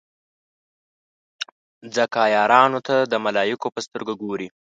ځکه عیارانو ته د ملایکو په سترګه ګوري.